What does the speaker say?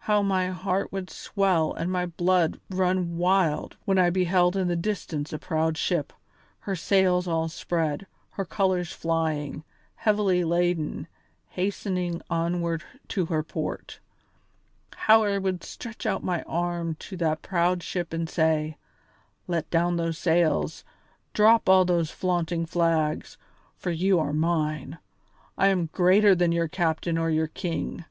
How my heart would swell and my blood run wild when I beheld in the distance a proud ship, her sails all spread, her colours flying, heavily laden, hastening onward to her port. How I would stretch out my arm to that proud ship and say: 'Let down those sails, drop all those flaunting flags, for you are mine; I am greater than your captain or your king!